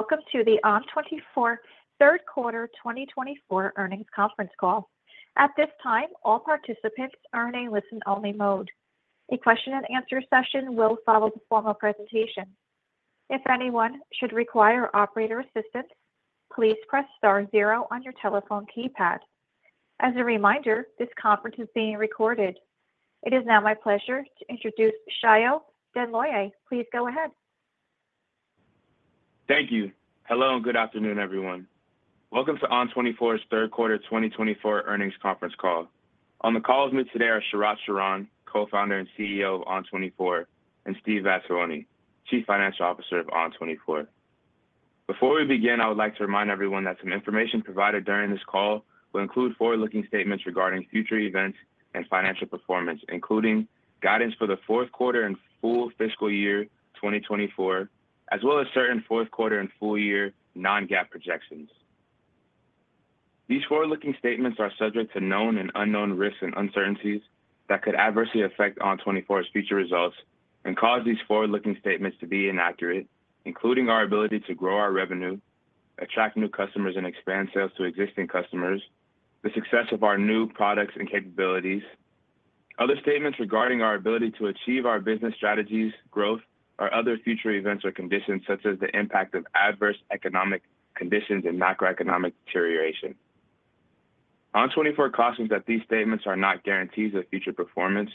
Welcome to the ON24 Third Quarter 2024 Earnings Conference Call. At this time, all participants are in a listen-only mode. A question-and-answer session will follow the formal presentation. If anyone should require operator assistance, please press star zero on your telephone keypad. As a reminder, this conference is being recorded. It is now my pleasure to introduce Shayo Denloye. Please go ahead. Thank you. Hello and good afternoon, everyone. Welcome to ON24's Third Quarter 2024 Earnings Conference Call. On the call with me today are Sharat Sharan, Co-founder and CEO of ON24, and Steve Vattuone, Chief Financial Officer of ON24. Before we begin, I would like to remind everyone that some information provided during this call will include forward-looking statements regarding future events and financial performance, including guidance for the fourth quarter and full fiscal year 2024, as well as certain fourth quarter and full year non-GAAP projections. These forward-looking statements are subject to known and unknown risks and uncertainties that could adversely affect ON24's future results and cause these forward-looking statements to be inaccurate, including our ability to grow our revenue, attract new customers, and expand sales to existing customers, the success of our new products and capabilities, other statements regarding our ability to achieve our business strategies, growth, or other future events or conditions, such as the impact of adverse economic conditions and macroeconomic deterioration. ON24 cautions that these statements are not guarantees of future performance.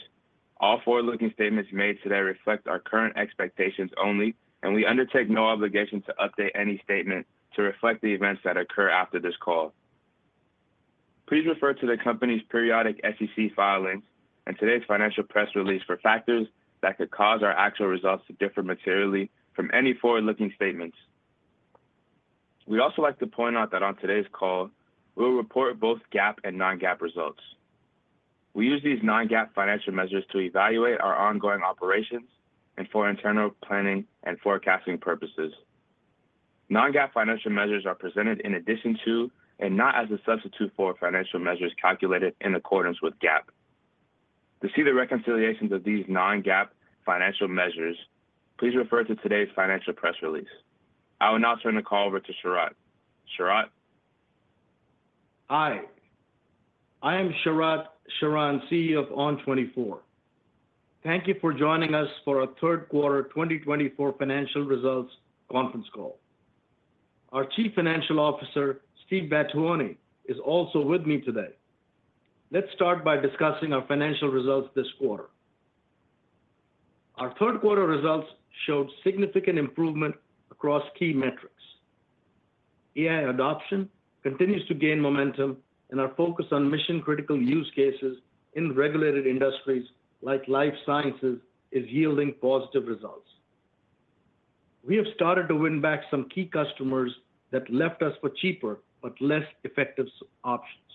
All forward-looking statements made today reflect our current expectations only, and we undertake no obligation to update any statement to reflect the events that occur after this call. Please refer to the company's periodic SEC filings and today's financial press release for factors that could cause our actual results to differ materially from any forward-looking statements. We'd also like to point out that on today's call, we'll report both GAAP and non-GAAP results. We use these non-GAAP financial measures to evaluate our ongoing operations and for internal planning and forecasting purposes. Non-GAAP financial measures are presented in addition to and not as a substitute for financial measures calculated in accordance with GAAP. To see the reconciliations of these non-GAAP financial measures, please refer to today's financial press release. I will now turn the call over to Sharat. Sharat? Hi. I am Sharat Sharan, CEO of ON24. Thank you for joining us for our third quarter 2024 financial results conference call. Our Chief Financial Officer, Steve Vattuone, is also with me today. Let's start by discussing our financial results this quarter. Our third quarter results showed significant improvement across key metrics. AI adoption continues to gain momentum, and our focus on mission-critical use cases in regulated industries like life sciences is yielding positive results. We have started to win back some key customers that left us for cheaper but less effective options.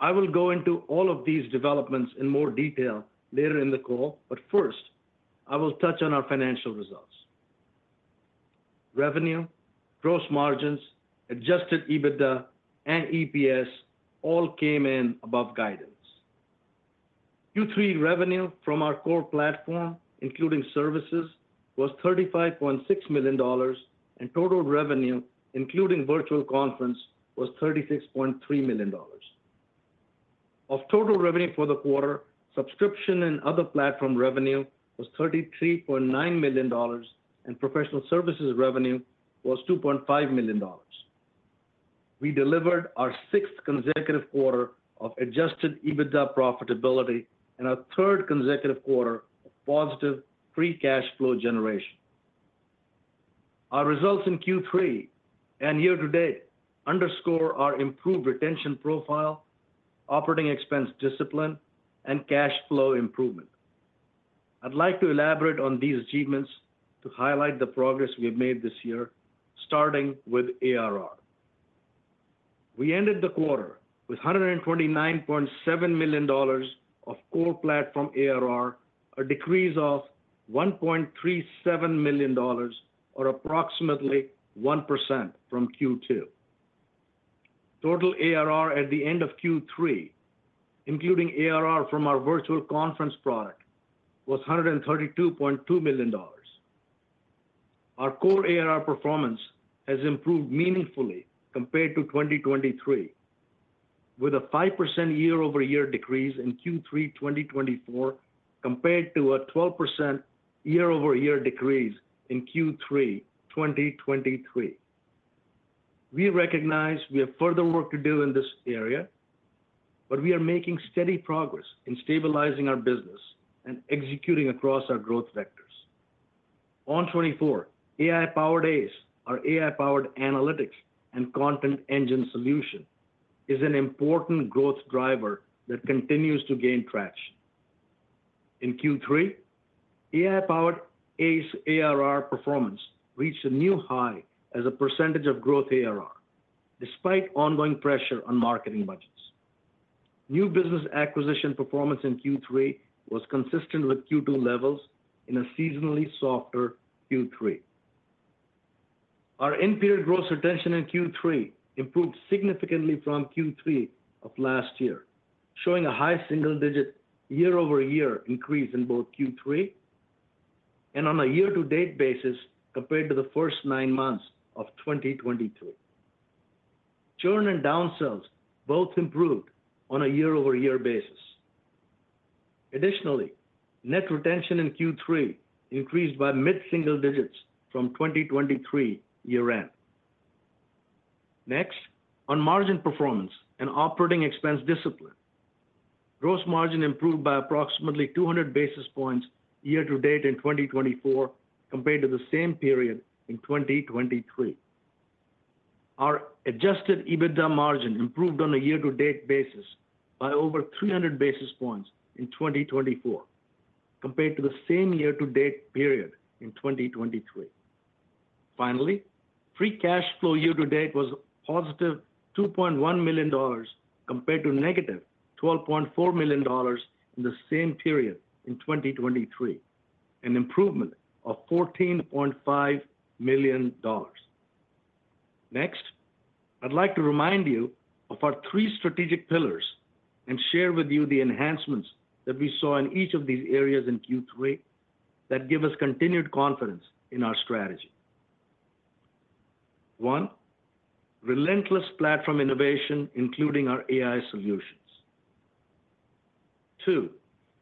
I will go into all of these developments in more detail later in the call, but first, I will touch on our financial results. Revenue, gross margins, Adjusted EBITDA, and EPS all came in above guidance. Q3 revenue from our core platform, including services, was $35.6 million, and total revenue, including virtual conference, was $36.3 million. Of total revenue for the quarter, subscription and other platform revenue was $33.9 million, and professional services revenue was $2.5 million. We delivered our sixth consecutive quarter of adjusted EBITDA profitability and our third consecutive quarter of positive free cash flow generation. Our results in Q3 and year-to-date underscore our improved retention profile, operating expense discipline, and cash flow improvement. I'd like to elaborate on these achievements to highlight the progress we have made this year, starting with ARR. We ended the quarter with $129.7 million of core platform ARR, a decrease of $1.37 million, or approximately 1% from Q2. Total ARR at the end of Q3, including ARR from our virtual conference product, was $132.2 million. Our core ARR performance has improved meaningfully compared to 2023, with a 5% year-over-year decrease in Q3 2024 compared to a 12% year-over-year decrease in Q3 2023. We recognize we have further work to do in this area, but we are making steady progress in stabilizing our business and executing across our growth vectors. ON24 AI-powered ACE, our AI-powered analytics and content engine solution, is an important growth driver that continues to gain traction. In Q3, AI-powered ACE ARR performance reached a new high as a percentage of growth ARR, despite ongoing pressure on marketing budgets. New business acquisition performance in Q3 was consistent with Q2 levels in a seasonally softer Q3. Our end-period gross retention in Q3 improved significantly from Q3 of last year, showing a high single-digit year-over-year increase in both Q3 and on a year-to-date basis compared to the first nine months of 2023. Churn and downsells both improved on a year-over-year basis. Additionally, net retention in Q3 increased by mid-single digits from 2023 year-end. Next, on margin performance and operating expense discipline, gross margin improved by approximately 200 basis points year-to-date in 2024 compared to the same period in 2023. Our Adjusted EBITDA margin improved on a year-to-date basis by over 300 basis points in 2024 compared to the same year-to-date period in 2023. Finally, free cash flow year-to-date was +$2.1 million compared to -$12.4 million in the same period in 2023, an improvement of $14.5 million. Next, I'd like to remind you of our three strategic pillars and share with you the enhancements that we saw in each of these areas in Q3 that give us continued confidence in our strategy. One, relentless platform innovation, including our AI solutions. Two,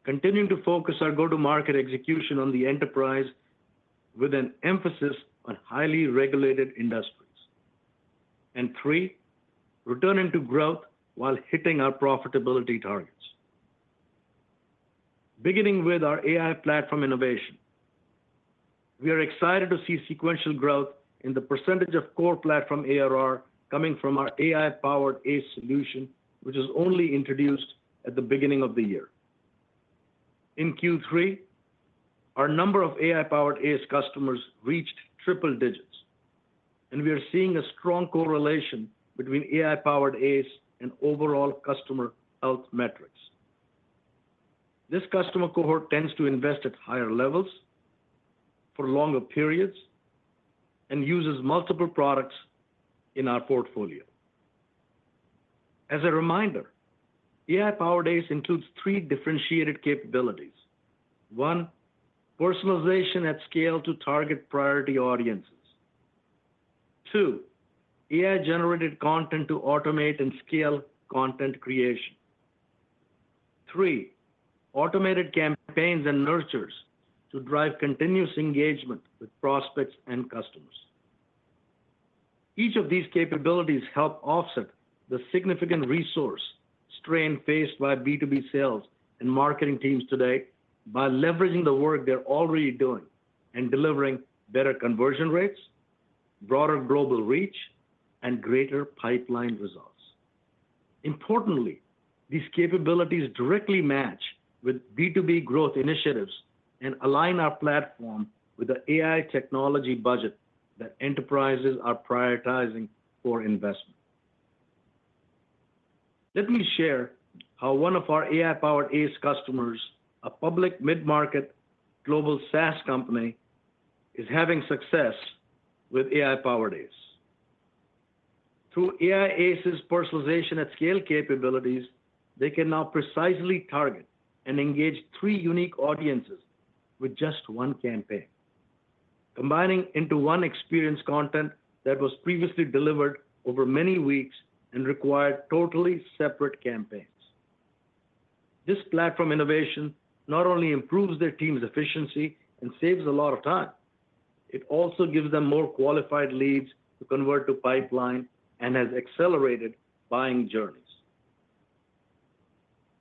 continuing to focus our go-to-market execution on the enterprise with an emphasis on highly regulated industries. And three, returning to growth while hitting our profitability targets. Beginning with our AI platform innovation, we are excited to see sequential growth in the percentage of core platform ARR coming from our AI-powered ACE solution, which was only introduced at the beginning of the year. In Q3, our number of AI-powered ACE customers reached triple digits, and we are seeing a strong correlation between AI-powered ACE and overall customer health metrics. This customer cohort tends to invest at higher levels for longer periods and uses multiple products in our portfolio. As a reminder, AI-powered ACE includes three differentiated capabilities. One, personalization at scale to target priority audiences. Two, AI-generated content to automate and scale content creation. Three, automated campaigns and nurtures to drive continuous engagement with prospects and customers. Each of these capabilities helps offset the significant resource strain faced by B2B sales and marketing teams today by leveraging the work they're already doing and delivering better conversion rates, broader global reach, and greater pipeline results. Importantly, these capabilities directly match with B2B growth initiatives and align our platform with the AI technology budget that enterprises are prioritizing for investment. Let me share how one of our AI-powered ACE customers, a public mid-market global SaaS company, is having success with AI-powered ACE. Through AI-powered ACE's personalization at scale capabilities, they can now precisely target and engage three unique audiences with just one campaign, combining into one experience content that was previously delivered over many weeks and required totally separate campaigns. This platform innovation not only improves their team's efficiency and saves a lot of time, it also gives them more qualified leads to convert to pipeline and has accelerated buying journeys.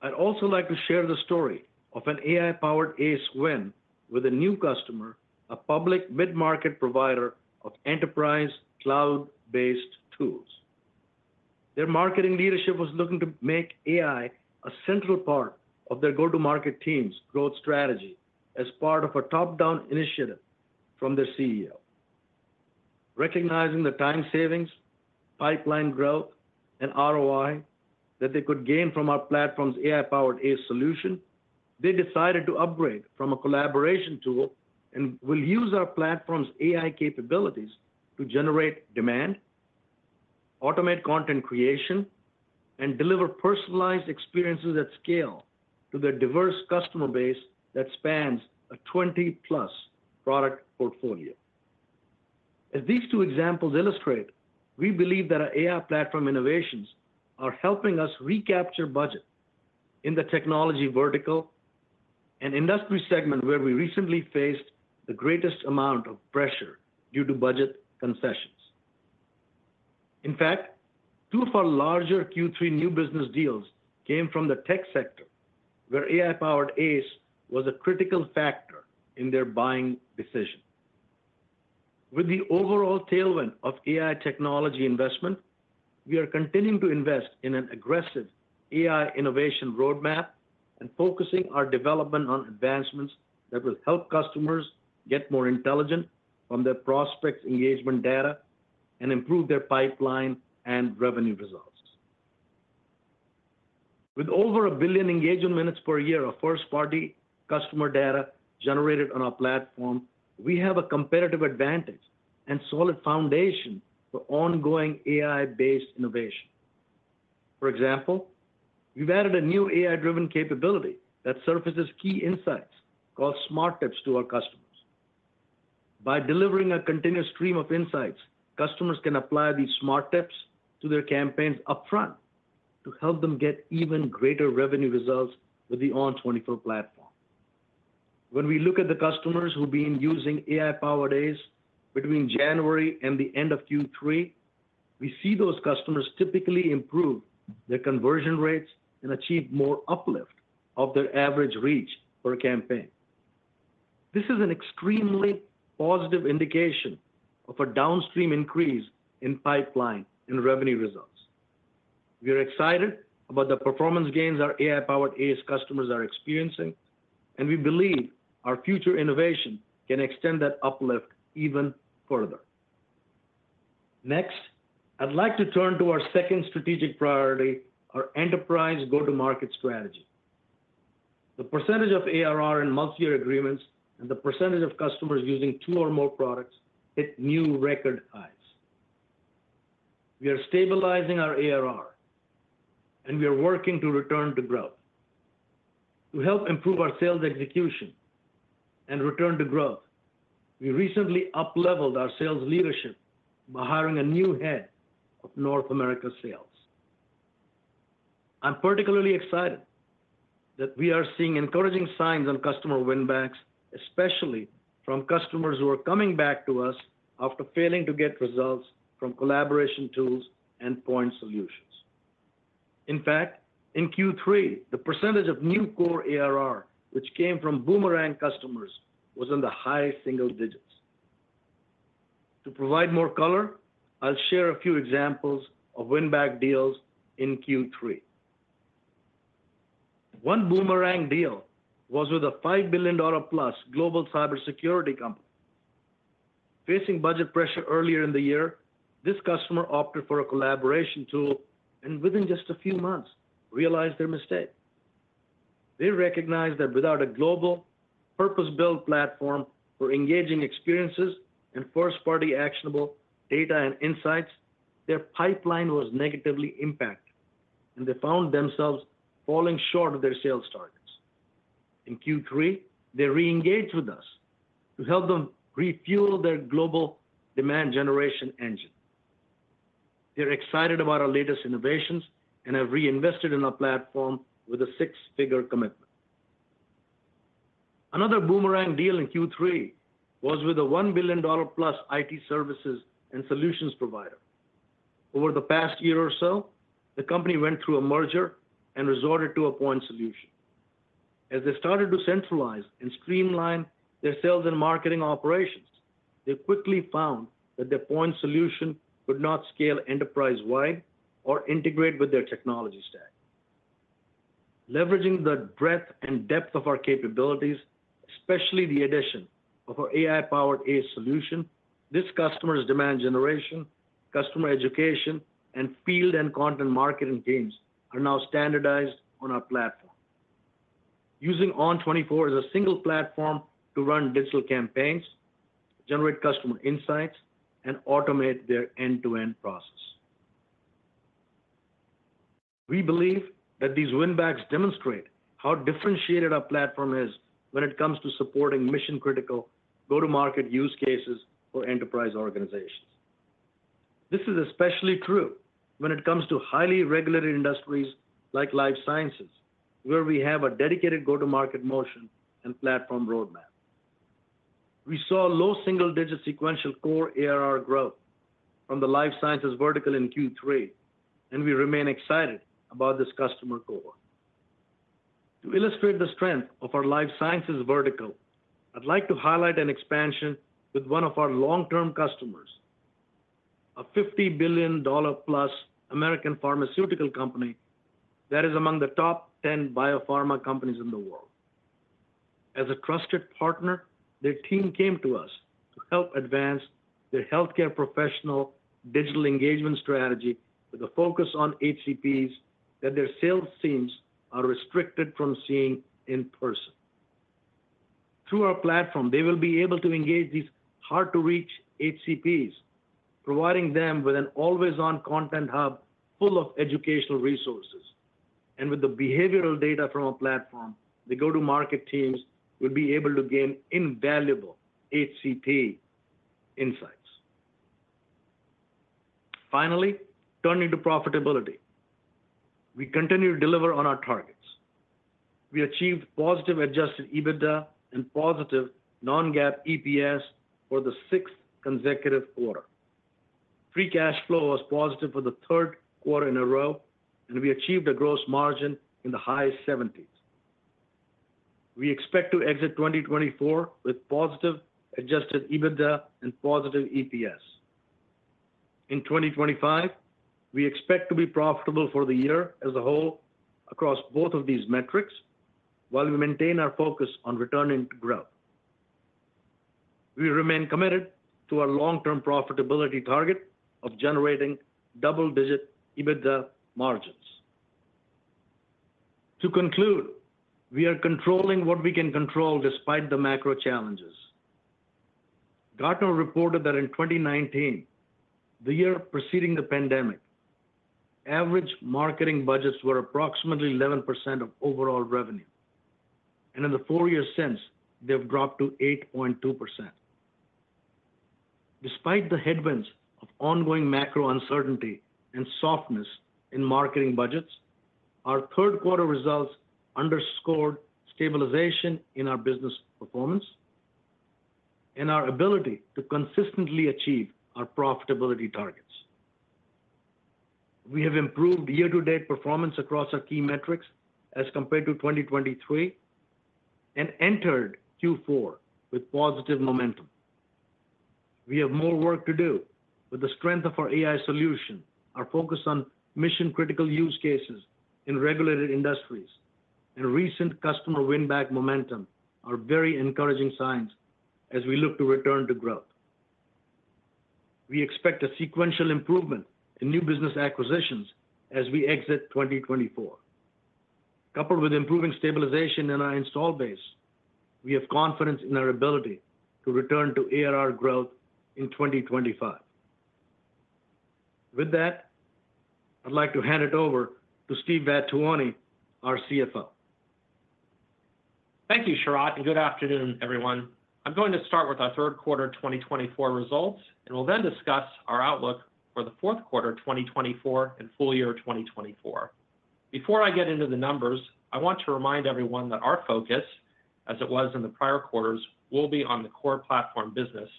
I'd also like to share the story of an AI-powered ACE win with a new customer, a public mid-market provider of enterprise cloud-based tools. Their marketing leadership was looking to make AI a central part of their go-to-market team's growth strategy as part of a top-down initiative from their CEO. Recognizing the time savings, pipeline growth, and ROI that they could gain from our platform's AI-powered ACE solution, they decided to upgrade from a collaboration tool and will use our platform's AI capabilities to generate demand, automate content creation, and deliver personalized experiences at scale to their diverse customer base that spans a 20-plus product portfolio. As these two examples illustrate, we believe that our AI platform innovations are helping us recapture budget in the technology vertical and industry segment where we recently faced the greatest amount of pressure due to budget concessions. In fact, two of our larger Q3 new business deals came from the tech sector, where AI-powered ACE was a critical factor in their buying decision. With the overall tailwind of AI technology investment, we are continuing to invest in an aggressive AI innovation roadmap and focusing our development on advancements that will help customers get more intelligent from their prospect engagement data and improve their pipeline and revenue results. With over a billion engagement minutes per year of first-party customer data generated on our platform, we have a competitive advantage and solid foundation for ongoing AI-based innovation. For example, we've added a new AI-driven capability that surfaces key insights called Smart Tips to our customers. By delivering a continuous stream of insights, customers can apply these Smart Tips to their campaigns upfront to help them get even greater revenue results with the ON24 platform. When we look at the customers who've been using AI-powered ACE between January and the end of Q3, we see those customers typically improve their conversion rates and achieve more uplift of their average reach per campaign. This is an extremely positive indication of a downstream increase in pipeline and revenue results. We are excited about the performance gains our AI-powered ACE customers are experiencing, and we believe our future innovation can extend that uplift even further. Next, I'd like to turn to our second strategic priority, our enterprise go-to-market strategy. The percentage of ARR in multi-year agreements and the percentage of customers using two or more products hit new record highs. We are stabilizing our ARR, and we are working to return to growth. To help improve our sales execution and return to growth, we recently upleveled our sales leadership by hiring a new head of North America sales. I'm particularly excited that we are seeing encouraging signs on customer win-backs, especially from customers who are coming back to us after failing to get results from collaboration tools and point solutions. In fact, in Q3, the percentage of new core ARR, which came from Boomerang customers, was in the high single digits. To provide more color, I'll share a few examples of win-back deals in Q3. One Boomerang deal was with a $5 billion-plus global cybersecurity company. Facing budget pressure earlier in the year, this customer opted for a collaboration tool and within just a few months realized their mistake. They recognized that without a global purpose-built platform for engaging experiences and first-party actionable data and insights, their pipeline was negatively impacted, and they found themselves falling short of their sales targets. In Q3, they re-engaged with us to help them refuel their global demand generation engine. They're excited about our latest innovations and have reinvested in our platform with a six-figure commitment. Another Boomerang deal in Q3 was with a $1 billion-plus IT services and solutions provider. Over the past year or so, the company went through a merger and resorted to a point solution. As they started to centralize and streamline their sales and marketing operations, they quickly found that their point solution could not scale enterprise-wide or integrate with their technology stack. Leveraging the breadth and depth of our capabilities, especially the addition of our AI-powered ACE solution, this customer's demand generation, customer education, and field and content marketing teams are now standardized on our platform. Using ON24 as a single platform to run digital campaigns, generate customer insights, and automate their end-to-end process. We believe that these win-backs demonstrate how differentiated our platform is when it comes to supporting mission-critical go-to-market use cases for enterprise organizations. This is especially true when it comes to highly regulated industries like life sciences, where we have a dedicated go-to-market motion and platform roadmap. We saw low single-digit sequential core ARR growth from the life sciences vertical in Q3, and we remain excited about this customer cohort. To illustrate the strength of our life sciences vertical, I'd like to highlight an expansion with one of our long-term customers, a $50 billion-plus American pharmaceutical company that is among the top 10 biopharma companies in the world. As a trusted partner, their team came to us to help advance their healthcare professional digital engagement strategy with a focus on HCPs that their sales teams are restricted from seeing in person. Through our platform, they will be able to engage these hard-to-reach HCPs, providing them with an always-on content hub full of educational resources. And with the behavioral data from our platform, the go-to-market teams will be able to gain invaluable HCP insights. Finally, turning to profitability, we continue to deliver on our targets. We achieved positive Adjusted EBITDA and positive non-GAAP EPS for the sixth consecutive quarter. Free cash flow was positive for the third quarter in a row, and we achieved a gross margin in the high 70s. We expect to exit 2024 with positive Adjusted EBITDA and positive EPS. In 2025, we expect to be profitable for the year as a whole across both of these metrics while we maintain our focus on returning to growth. We remain committed to our long-term profitability target of generating double-digit EBITDA margins. To conclude, we are controlling what we can control despite the macro challenges. Gartner reported that in 2019, the year preceding the pandemic, average marketing budgets were approximately 11% of overall revenue, and in the four years since, they've dropped to 8.2%. Despite the headwinds of ongoing macro uncertainty and softness in marketing budgets, our third-quarter results underscored stabilization in our business performance and our ability to consistently achieve our profitability targets. We have improved year-to-date performance across our key metrics as compared to 2023 and entered Q4 with positive momentum. We have more work to do. The strength of our AI solution, our focus on mission-critical use cases in regulated industries, and recent customer win-back momentum are very encouraging signs as we look to return to growth. We expect a sequential improvement in new business acquisitions as we exit 2024. Coupled with improving stabilization in our installed base, we have confidence in our ability to return to ARR growth in 2025. With that, I'd like to hand it over to Steve Vattuone, our CFO. Thank you, Sharat, and good afternoon, everyone. I'm going to start with our third quarter 2024 results, and we'll then discuss our outlook for the fourth quarter 2024 and full year 2024. Before I get into the numbers, I want to remind everyone that our focus, as it was in the prior quarters, will be on the core platform business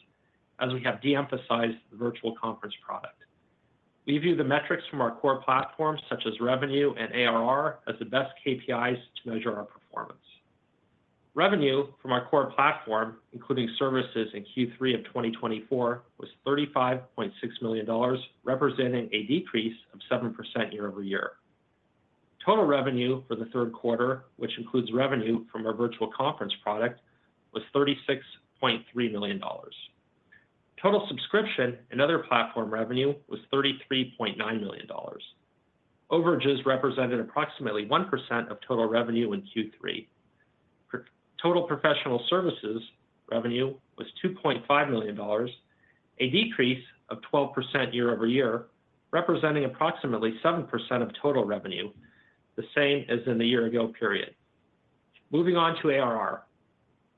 as we have de-emphasized the virtual conference product. We view the metrics from our core platform, such as revenue and ARR, as the best KPIs to measure our performance. Revenue from our core platform, including services in Q3 of 2024, was $35.6 million, representing a decrease of 7% year-over-year. Total revenue for the third quarter, which includes revenue from our virtual conference product, was $36.3 million. Total subscription and other platform revenue was $33.9 million. Overages represented approximately 1% of total revenue in Q3. Total professional services revenue was $2.5 million, a decrease of 12% year-over-year, representing approximately 7% of total revenue, the same as in the year-ago period. Moving on to ARR.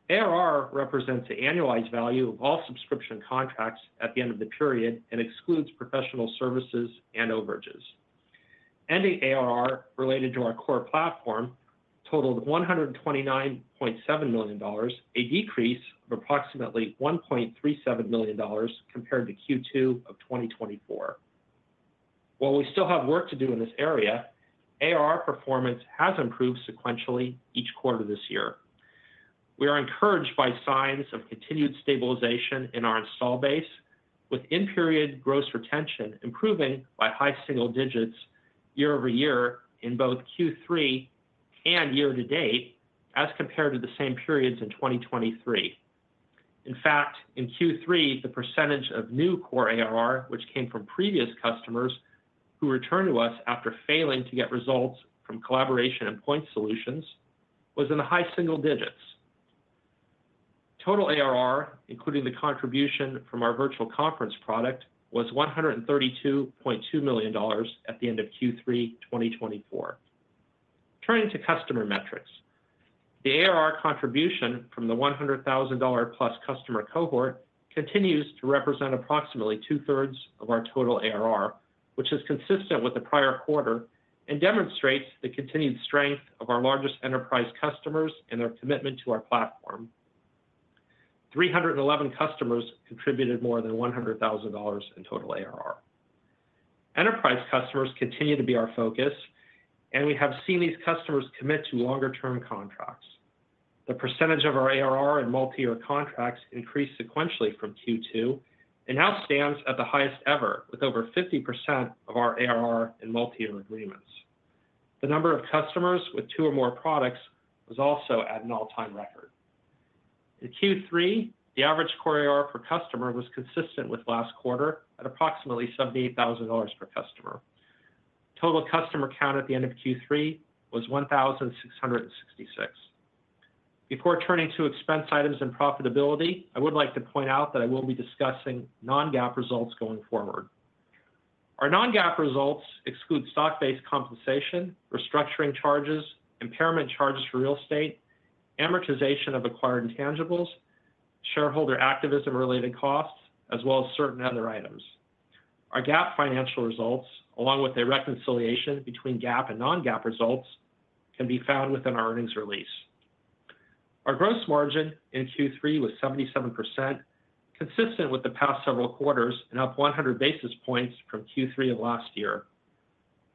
ARR represents the annualized value of all subscription contracts at the end of the period and excludes professional services and overages. Ending ARR related to our core platform totaled $129.7 million, a decrease of approximately $1.37 million compared to Q2 of 2024. While we still have work to do in this area, ARR performance has improved sequentially each quarter this year. We are encouraged by signs of continued stabilization in our install base, with in-period gross retention improving by high single digits year-over-year in both Q3 and year-to-date as compared to the same periods in 2023. In fact, in Q3, the percentage of new core ARR, which came from previous customers who returned to us after failing to get results from collaboration and point solutions, was in the high single digits. Total ARR, including the contribution from our virtual conference product, was $132.2 million at the end of Q3 2024. Turning to customer metrics, the ARR contribution from the $100,000-plus customer cohort continues to represent approximately two-thirds of our total ARR, which is consistent with the prior quarter and demonstrates the continued strength of our largest enterprise customers and their commitment to our platform. 311 customers contributed more than $100,000 in total ARR. Enterprise customers continue to be our focus, and we have seen these customers commit to longer-term contracts. The percentage of our ARR in multi-year contracts increased sequentially from Q2 and now stands at the highest ever, with over 50% of our ARR in multi-year agreements. The number of customers with two or more products was also at an all-time record. In Q3, the average core ARR per customer was consistent with last quarter at approximately $78,000 per customer. Total customer count at the end of Q3 was 1,666. Before turning to expense items and profitability, I would like to point out that I will be discussing Non-GAAP results going forward. Our Non-GAAP results exclude stock-based compensation, restructuring charges, impairment charges for real estate, amortization of acquired intangibles, shareholder activism-related costs, as well as certain other items. Our GAAP financial results, along with a reconciliation between GAAP and Non-GAAP results, can be found within our earnings release. Our gross margin in Q3 was 77%, consistent with the past several quarters and up 100 basis points from Q3 of last year.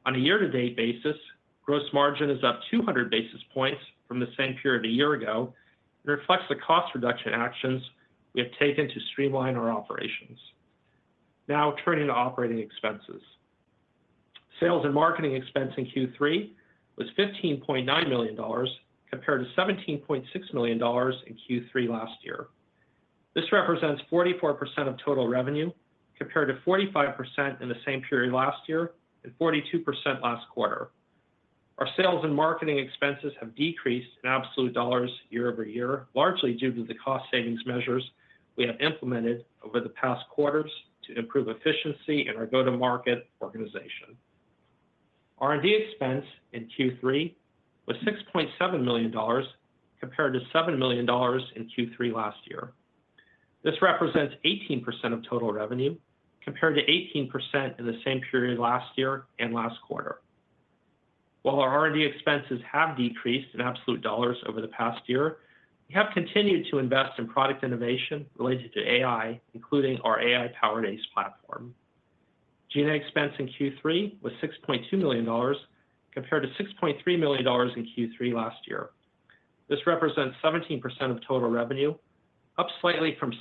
On a year-to-date basis, gross margin is up 200 basis points from the same period a year ago and reflects the cost reduction actions we have taken to streamline our operations. Now, turning to operating expenses. Sales and marketing expense in Q3 was $15.9 million compared to $17.6 million in Q3 last year. This represents 44% of total revenue compared to 45% in the same period last year and 42% last quarter. Our sales and marketing expenses have decreased in absolute dollars year-over-year, largely due to the cost savings measures we have implemented over the past quarters to improve efficiency in our go-to-market organization. R&D expense in Q3 was $6.7 million compared to $7 million in Q3 last year. This represents 18% of total revenue compared to 18% in the same period last year and last quarter. While our R&D expenses have decreased in absolute dollars over the past year, we have continued to invest in product innovation related to AI, including our AI-powered ACE platform. G&A expense in Q3 was $6.2 million compared to $6.3 million in Q3 last year. This represents 17% of total revenue, up slightly from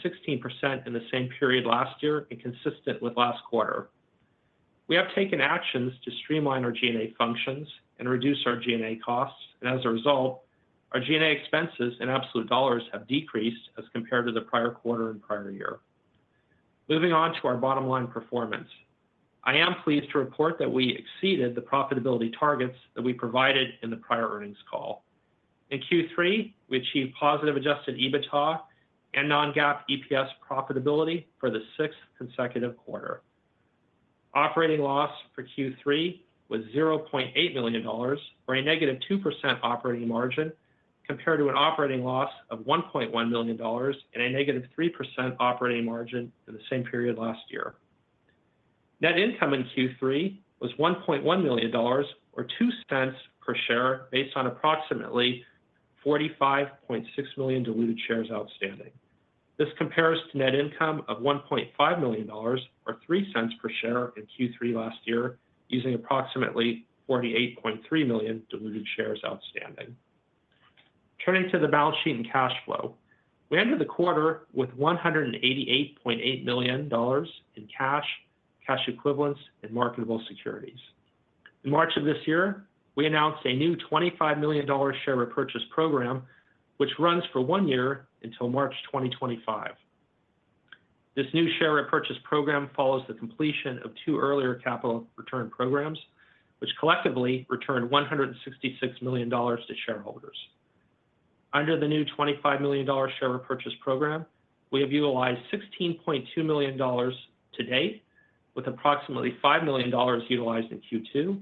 16% in the same period last year and consistent with last quarter. We have taken actions to streamline our G&A functions and reduce our G&A costs, and as a result, our G&A expenses in absolute dollars have decreased as compared to the prior quarter and prior year. Moving on to our bottom-line performance, I am pleased to report that we exceeded the profitability targets that we provided in the prior earnings call. In Q3, we achieved positive Adjusted EBITDA and Non-GAAP EPS profitability for the sixth consecutive quarter. Operating loss for Q3 was $0.8 million for a -2% operating margin compared to an operating loss of $1.1 million and a -3% operating margin in the same period last year. Net income in Q3 was $1.1 million, or $0.02 per share, based on approximately 45.6 million diluted shares outstanding. This compares to net income of $1.5 million, or $0.03 per share in Q3 last year, using approximately 48.3 million diluted shares outstanding. Turning to the balance sheet and cash flow, we ended the quarter with $188.8 million in cash, cash equivalents, and marketable securities. In March of this year, we announced a new $25 million share repurchase program, which runs for one year until March 2025. This new share repurchase program follows the completion of two earlier capital return programs, which collectively returned $166 million to shareholders. Under the new $25 million share repurchase program, we have utilized $16.2 million to date, with approximately $5 million utilized in Q2,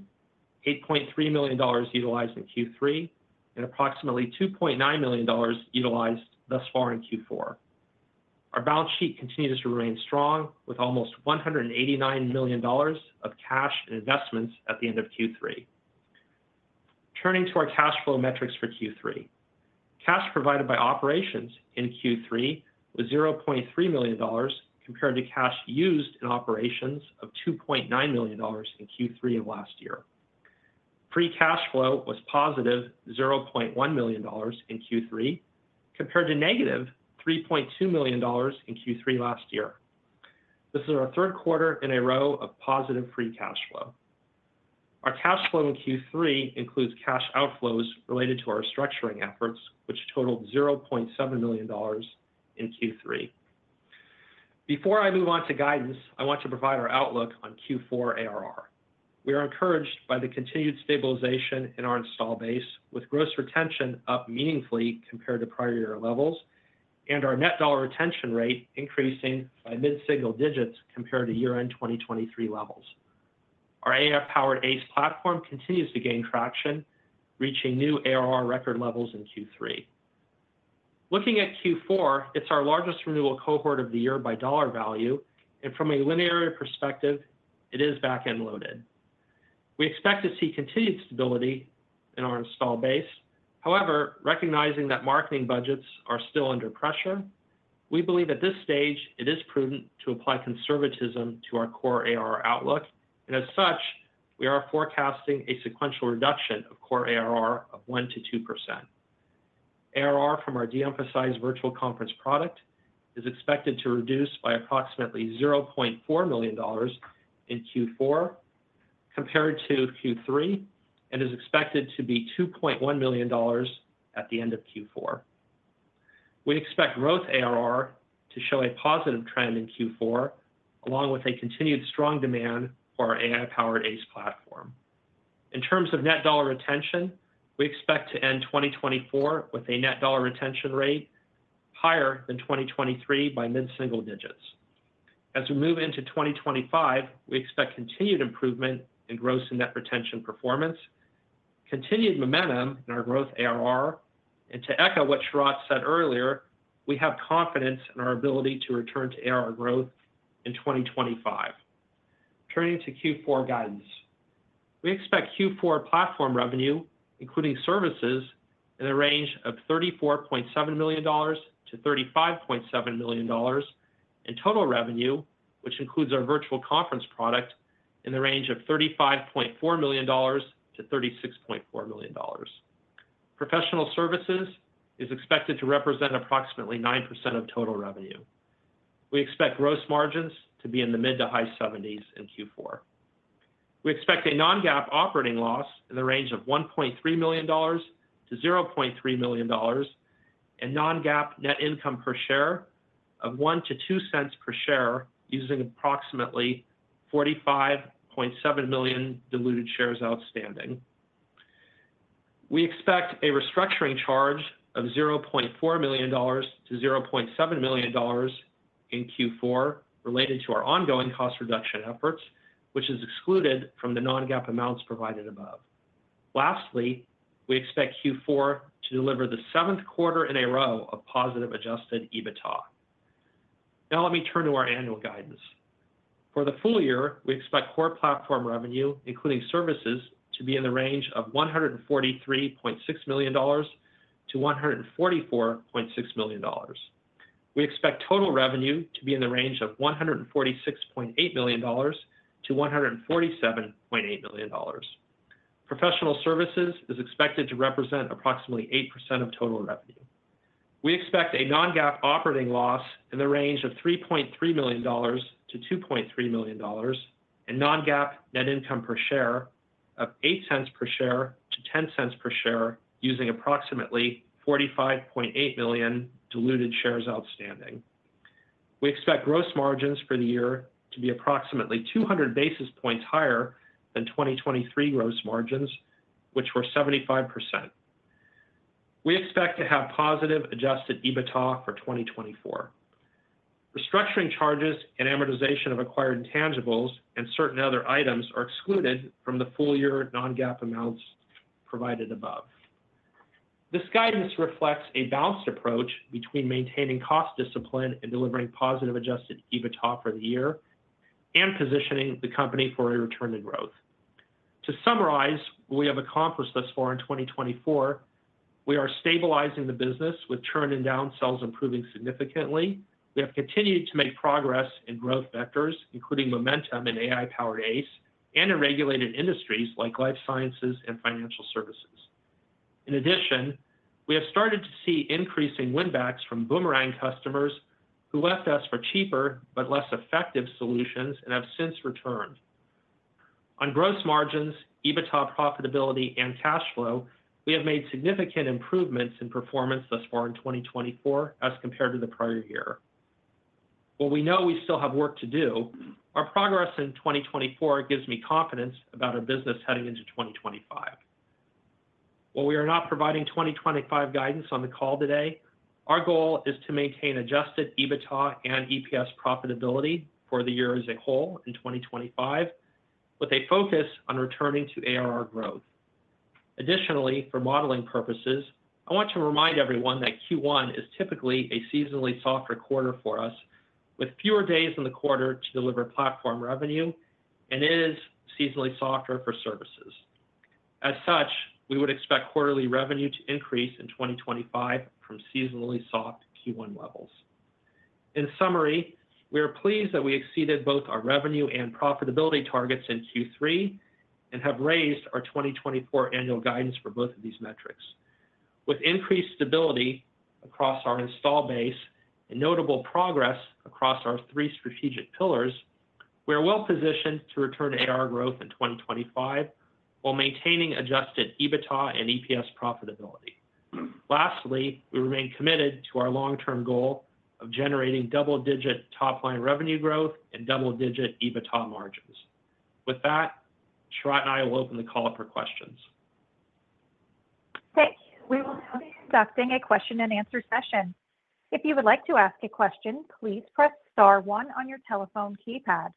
$8.3 million utilized in Q3, and approximately $2.9 million utilized thus far in Q4. Our balance sheet continues to remain strong, with almost $189 million of cash and investments at the end of Q3. Turning to our cash flow metrics for Q3, cash provided by operations in Q3 was $0.3 million compared to cash used in operations of $2.9 million in Q3 of last year. Free cash flow was +$0.1 million in Q3 compared to -$3.2 million in Q3 last year. This is our third quarter in a row of positive free cash flow. Our cash flow in Q3 includes cash outflows related to our structuring efforts, which totaled $0.7 million in Q3. Before I move on to guidance, I want to provide our outlook on Q4 ARR. We are encouraged by the continued stabilization in our installed base, with gross retention up meaningfully compared to prior year levels, and our net dollar retention rate increasing by mid-single digits compared to year-end 2023 levels. Our AI-powered ACE platform continues to gain traction, reaching new ARR record levels in Q3. Looking at Q4, it's our largest renewal cohort of the year by dollar value, and from a linear perspective, it is back-end loaded. We expect to see continued stability in our install base. However, recognizing that marketing budgets are still under pressure, we believe at this stage it is prudent to apply conservatism to our core ARR outlook, and as such, we are forecasting a sequential reduction of core ARR of 1%-2%. ARR from our de-emphasized virtual conference product is expected to reduce by approximately $0.4 million in Q4 compared to Q3 and is expected to be $2.1 million at the end of Q4. We expect growth ARR to show a positive trend in Q4, along with a continued strong demand for our AI-powered ACE platform. In terms of net dollar retention, we expect to end 2024 with a net dollar retention rate higher than 2023 by mid-single digits. As we move into 2025, we expect continued improvement in gross and net retention performance, continued momentum in our growth ARR, and to echo what Sharat said earlier, we have confidence in our ability to return to ARR growth in 2025. Turning to Q4 guidance, we expect Q4 platform revenue, including services, in the range of $34.7 million-$35.7 million in total revenue, which includes our Virtual Conference product, in the range of $35.4 million-$36.4 million. Professional services is expected to represent approximately 9% of total revenue. We expect gross margins to be in the mid to high 70s in Q4. We expect a non-GAAP operating loss in the range of $1.3 million-$0.3 million and non-GAAP net income per share of $0.01-$0.02 per share, using approximately 45.7 million diluted shares outstanding. We expect a restructuring charge of $0.4 million-$0.7 million in Q4 related to our ongoing cost reduction efforts, which is excluded from the non-GAAP amounts provided above. Lastly, we expect Q4 to deliver the seventh quarter in a row of positive Adjusted EBITDA. Now, let me turn to our annual guidance. For the full year, we expect core platform revenue, including services, to be in the range of $143.6 million-$144.6 million. We expect total revenue to be in the range of $146.8 million-$147.8 million. Professional services is expected to represent approximately 8% of total revenue. We expect a non-GAAP operating loss in the range of $3.3 million-$2.3 million and non-GAAP net income per share of $0.08-$0.10 per share, using approximately 45.8 million diluted shares outstanding. We expect gross margins for the year to be approximately 200 basis points higher than 2023 gross margins, which were 75%. We expect to have positive adjusted EBITDA for 2024. Restructuring charges and amortization of acquired intangibles and certain other items are excluded from the full year non-GAAP amounts provided above. This guidance reflects a balanced approach between maintaining cost discipline and delivering positive adjusted EBITDA for the year and positioning the company for a return to growth. To summarize what we have accomplished thus far in 2024, we are stabilizing the business with churn and downsells improving significantly. We have continued to make progress in growth vectors, including momentum in AI-powered ACE and in regulated industries like life sciences and financial services. In addition, we have started to see increasing win-backs from boomerang customers who left us for cheaper but less effective solutions and have since returned. On gross margins, EBITDA, profitability, and cash flow, we have made significant improvements in performance thus far in 2024 as compared to the prior year. While we know we still have work to do, our progress in 2024 gives me confidence about our business heading into 2025. While we are not providing 2025 guidance on the call today, our goal is to maintain adjusted EBITDA and EPS profitability for the year as a whole in 2025, with a focus on returning to ARR growth. Additionally, for modeling purposes, I want to remind everyone that Q1 is typically a seasonally softer quarter for us, with fewer days in the quarter to deliver platform revenue, and it is seasonally softer for services. As such, we would expect quarterly revenue to increase in 2025 from seasonally soft Q1 levels. In summary, we are pleased that we exceeded both our revenue and profitability targets in Q3 and have raised our 2024 annual guidance for both of these metrics. With increased stability across our installed base and notable progress across our three strategic pillars, we are well positioned to return to ARR growth in 2025 while maintaining Adjusted EBITDA and EPS profitability. Lastly, we remain committed to our long-term goal of generating double-digit top-line revenue growth and double-digit EBITDA margins. With that, Sharat and I will open the call for questions. Thanks. We will now be conducting a question-and-answer session. If you would like to ask a question, please press Star one on your telephone keypad.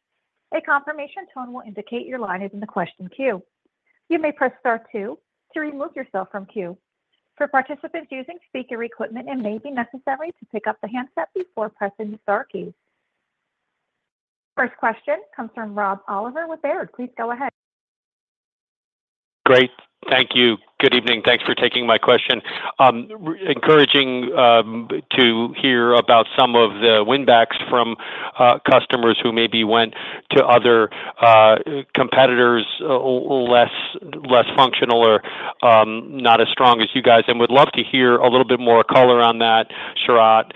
A confirmation tone will indicate your line is in the question queue. You may press Star two to remove yourself from queue. For participants using speaker equipment, it may be necessary to pick up the handset before pressing the Star keys. First question comes from Rob Oliver with Baird. Please go ahead. Great. Thank you. Good evening. Thanks for taking my question. Encouraging to hear about some of the win-backs from customers who maybe went to other competitors less functional, not as strong as you guys, and would love to hear a little bit more color on that, Sharat.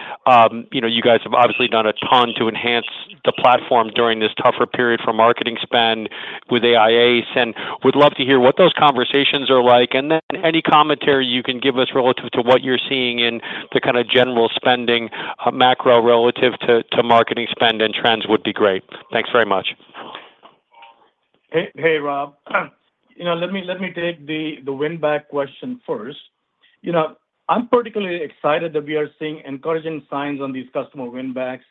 You know you guys have obviously done a ton to enhance the platform during this tougher period for marketing spend with AIs. And would love to hear what those conversations are like. And then any commentary you can give us relative to what you're seeing in the kind of general spending macro relative to marketing spend and trends would be great. Thanks very much. Hey, Rob. You know let me take the win-back question first. You know I'm particularly excited that we are seeing encouraging signs on these customer win-backs,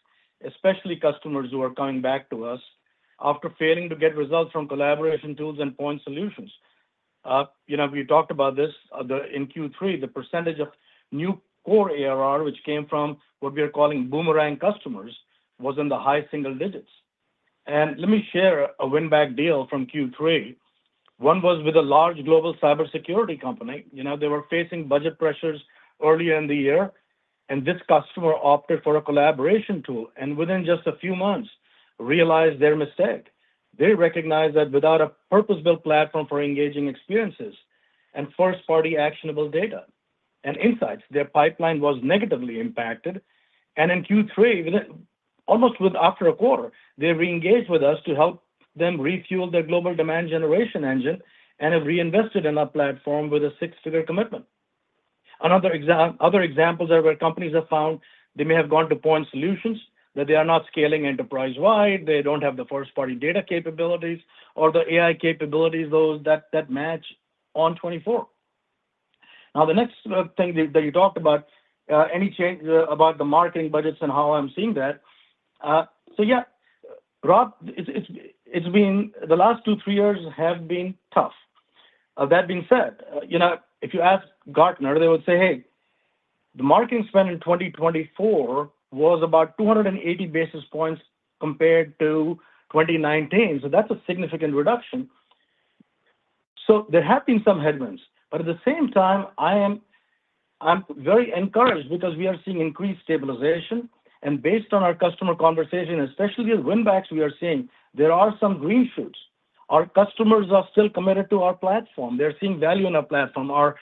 especially customers who are coming back to us after failing to get results from collaboration tools and point solutions. You know we talked about this in Q3. The percentage of new core ARR, which came from what we are calling boomerang customers, was in the high single digits. And let me share a win-back deal from Q3. One was with a large global cybersecurity company. You know they were facing budget pressures earlier in the year, and this customer opted for a collaboration tool and within just a few months realized their mistake. They recognized that without a purpose-built platform for engaging experiences and first-party actionable data and insights, their pipeline was negatively impacted, and in Q3, almost after a quarter, they reengaged with us to help them refuel their global demand generation engine and have reinvested in our platform with a six-figure commitment. Other examples are where companies have found they may have gone to point solutions, that they are not scaling enterprise-wide, they don't have the first-party data capabilities, or the AI capabilities that match ON24. Now, the next thing that you talked about, any change about the marketing budgets and how I'm seeing that. Yeah, Rob, its being the last two, three years have been tough. But that being said, you know if you ask Gartner, they would say, "Hey, the marketing spend in 2024 was about 280 basis points compared to 2019." So that's a significant reduction. So there have been some headwinds. But at the same time, I'm I'm very encouraged because we are seeing increased stabilization. And based on our customer conversation, especially with win-backs we are seeing, there are some green shoots. Our customers are still committed to our platform. They're seeing value in our platform. Our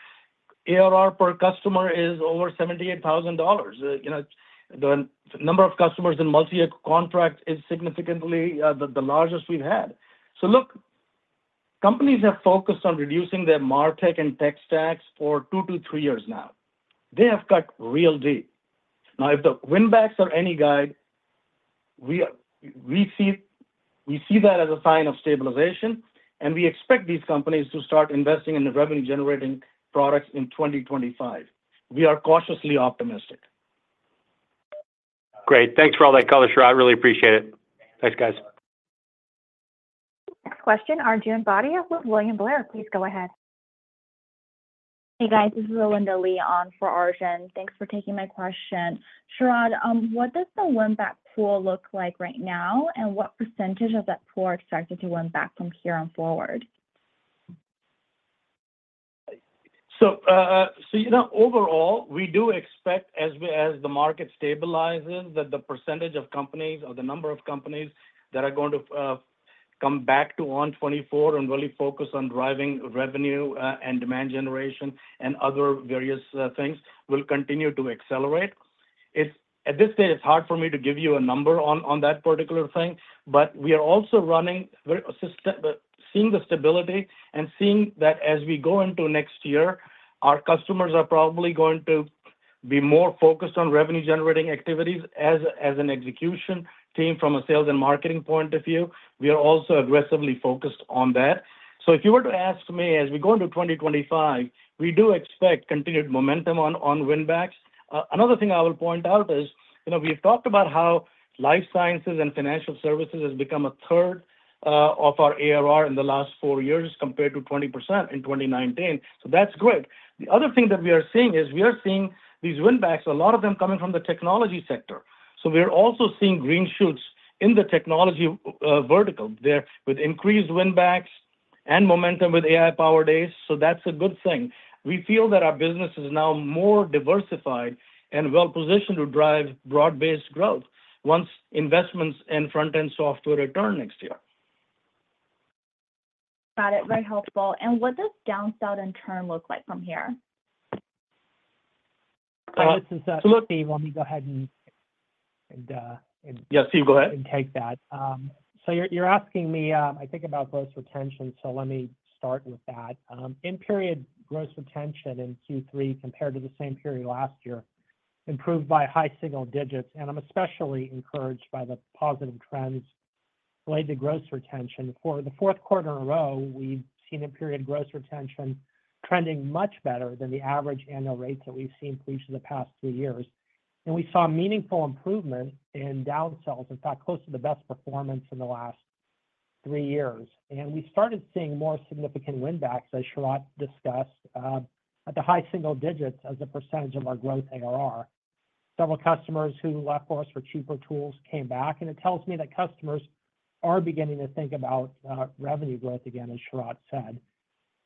ARR per customer is over $78,000. You know the the number of customers in multi-year contract is significantly the largest we've had. So look, companies have focused on reducing their martech and tech stacks for two to three years now. They have cut real deep. Now, if the win-backs are any guide, we we see that as a sign of stabilization, and we expect these companies to start investing in the revenue-generating products in 2025. We are cautiously optimistic. Great. Thanks for all that color, Sharat. I really appreciate it. Thanks, guys. Next question, Arjun Bhatia with William Blair. Please go ahead. Hey, guys. This is Linda Lee for Arjun. Thanks for taking my question. Sharat, what does the win-back pool look like right now, and what percentage of that pool are expected to win back from here on forward? So you know overall, we do expect, as the market stabilizes, that the percentage of companies or the number of companies that are going to come back to ON24 and really focus on driving revenue and demand generation and other various things will continue to accelerate. At this stage, it's hard for me to give you a number on on that particular thing, but we are also seeing the stability and seeing that as we go into next year, our customers are probably going to be more focused on revenue-generating activities as as an execution team from a sales and marketing point of view. We are also aggressively focused on that. So if you were to ask me, as we go into 2025, we do expect continued momentum on on win-backs. Another thing I will point out is you know we've talked about how life sciences and financial services has become a third of our ARR in the last four years compared to 20% in 2019. So that's great. The other thing that we are seeing is we are seeing these win-backs, a lot of them coming from the technology sector. So we're also seeing green shoots in the technology vertical there with increased win-backs and momentum with AI-powered ACE. So that's a good thing. We feel that our business is now more diversified and well-positioned to drive broad-based growth once investments in front-end software return next year. Got it. Very helpful. And what does downsell and churn look like from here? Yeah, Steve, go ahead. And take that. So you're asking me, I think, about gross retention, so let me start with that. In-period gross retention in Q3 compared to the same period last year improved by high single digits. And I'm especially encouraged by the positive trends related to gross retention. For the fourth quarter in a row, we've seen in-period gross retention trending much better than the average annual rates that we've seen for each of the past three years, and we saw meaningful improvement in downsells, in fact, close to the best performance in the last three years, and we started seeing more significant win-backs, as Sharat discussed, at the high single digits as a percentage of our growth ARR. Several customers who left for us for cheaper tools came back, and it tells me that customers are beginning to think about revenue growth again, as Sharat said,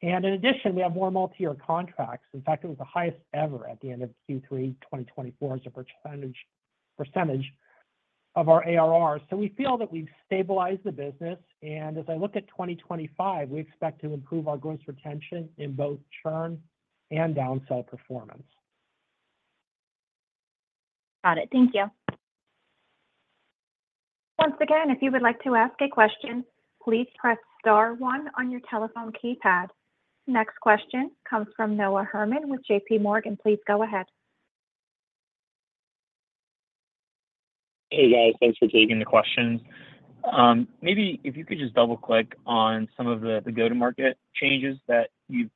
and in addition, we have more multi-year contracts. In fact, it was the highest ever at the end of Q3 2024 as a percentage percentage of our ARR, so we feel that we've stabilized the business. And as I look at 2025, we expect to improve our gross retention in both churn and downsell performance. Got it. Thank you. Once again, if you would like to ask a question, please press Star one on your telephone keypad. Next question comes from Noah Herman with J.P. Morgan. Please go ahead. Hey, guys. Thanks for taking the questions. Maybe if you could just double-click on some of the go-to-market changes that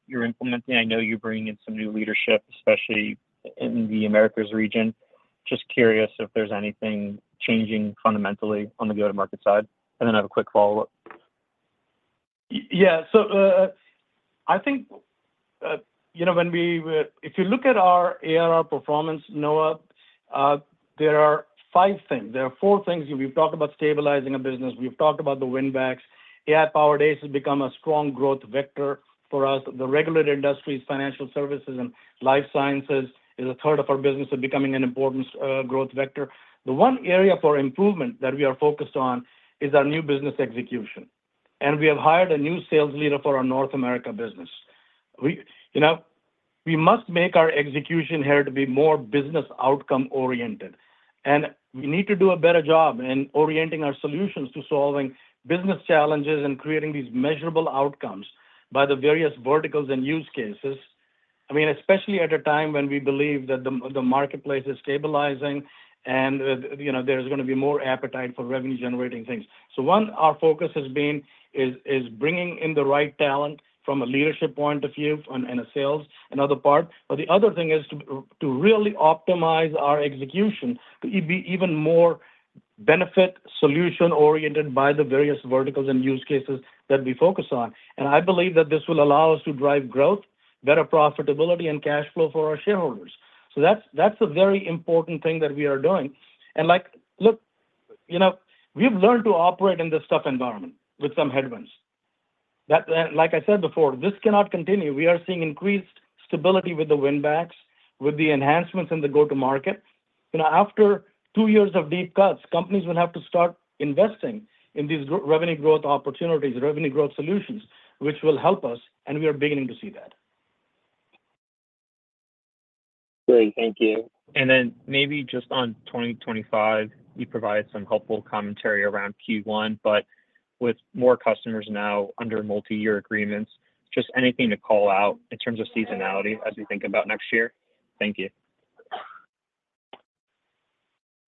you're implementing. I know you're bringing in some new leadership, especially in the Americas region. Just curious if there's anything changing fundamentally on the go-to-market side. And then I have a quick follow-up. Yeah. So I think you know when we if you look at our ARR performance, Noah, there are five things. There are four things. We've talked about stabilizing a business. We've talked about the win-backs. AI-powered ACE has become a strong growth vector for us. The regulated industries, financial services, and life sciences is a third of our business is becoming an important growth vector. The one area for improvement that we are focused on is our new business execution, and we have hired a new sales leader for our North America business. You know we must make our execution here to be more business outcome-oriented, and we need to do a better job in orienting our solutions to solving business challenges and creating these measurable outcomes by the various verticals and use cases. I mean, especially at a time when we believe that the the marketplace is stabilizing and there's you know there's gonna be more appetite for revenue-generating things, so one, our focus has been is is bringing in the right talent from a leadership point of view and a sales and other part. But the other thing is to really optimize our execution to be even more benefit-solution-oriented by the various verticals and use cases that we focus on. And I believe that this will allow us to drive growth, better profitability, and cash flow for our shareholders. So that's that's a very important thing that we are doing. And like look, you know we've learned to operate in this tough environment with some headwinds. Like I said before, this cannot continue. We are seeing increased stability with the win-backs, with the enhancements in the go-to-market. And after two years of deep cuts, companies will have to start investing in these revenue growth opportunities, revenue growth solutions, which will help us. And we are beginning to see that. Great. Thank you. And then maybe just on 2025, you provided some helpful commentary around Q1, but with more customers now under multi-year agreements, just anything to call out in terms of seasonality as we think about next year? Thank you.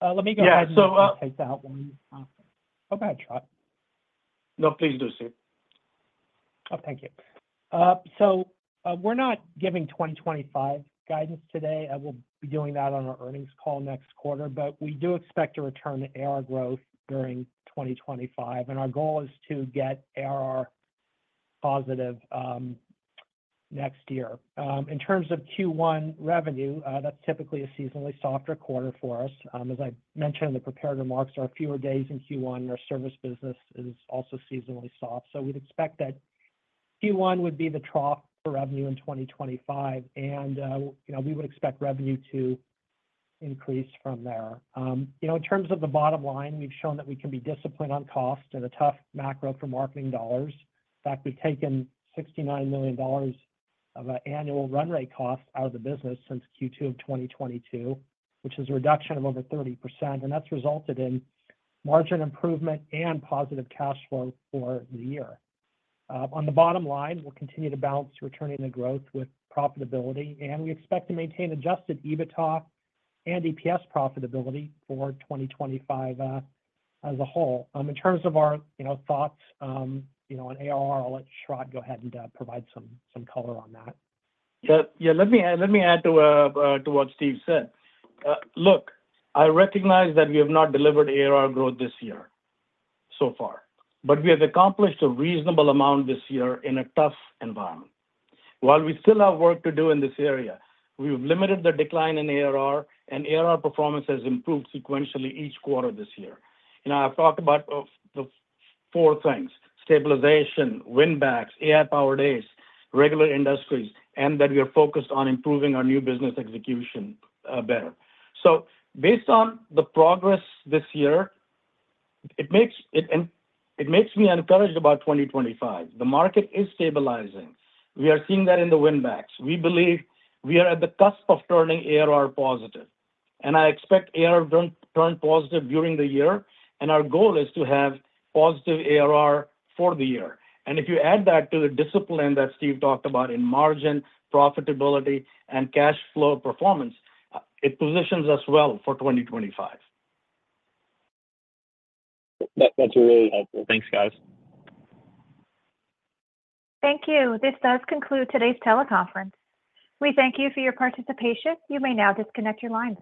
Let me go ahead and take that one. Go ahead, Sharat. No, please do, Steve. Oh, thank you. So we're not giving 2025 guidance today. I will be doing that on our earnings call next quarter, but we do expect to return to ARR growth during 2025. And our goal is to get ARR positive next year. In terms of Q1 revenue, that's typically a seasonally softer quarter for us. As I mentioned, the prepared remarks are fewer days in Q1. Our service business is also seasonally soft. So we'd expect that Q1 would be the trough for revenue in 2025, and you know we would expect revenue to increase from there. You know in terms of the bottom line, we've shown that we can be disciplined on cost and a tough macro for marketing dollars. In fact, we've taken $69 million of annual run rate costs out of the business since Q2 of 2022, which is a reduction of over 30%. And that's resulted in margin improvement and positive cash flow for the year. On the bottom line, we'll continue to balance returning the growth with profitability. And we expect to maintain Adjusted EBITDA and EPS profitability for 2025 as a whole. In terms of our thoughts on ARR, I'll let Sharat go ahead and provide some color on that. Yeah. Yeah let me add to what Steve said. Look, I recognize that we have not delivered ARR growth this year so far, but we have accomplished a reasonable amount this year in a tough environment. While we still have work to do in this area, we've limited the decline in ARR, and ARR performance has improved sequentially each quarter this year. And I've talked about the four things: stabilization, win-backs, AI-powered ACE, regular industries, and that we are focused on improving our new business execution better. So based on the progress this year, it makes it makes me encouraged about 2025. The market is stabilizing. We are seeing that in the win-backs. We believe we are at the cusp of turning ARR positive. And I expect ARR to turn positive during the year. And our goal is to have positive ARR for the year. And if you add that to the discipline that Steve talked about in margin, profitability, and cash flow performance, it positions us well for 2025. That's really helpful. Thanks, guys. Thank you. This does conclude today's teleconference. We thank you for your participation. You may now disconnect your line.